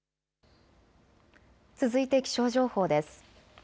続いて気象情報です。